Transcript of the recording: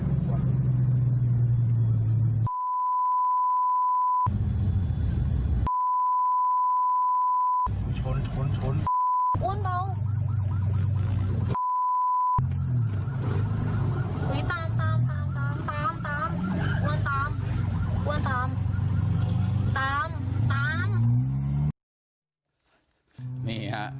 กระบะสีม่วงเสพยามา